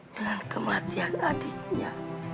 dengan kematian adiknya